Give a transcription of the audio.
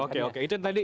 oke oke itu tadi